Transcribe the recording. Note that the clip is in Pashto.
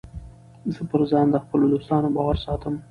زه پر ځان د خپلو دوستانو باور ساتم.